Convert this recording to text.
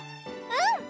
うん！